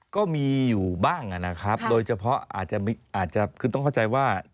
ก็มีอยู่บ้างนะครับโดยเฉพาะอาจจะคือต้องเข้าใจว่า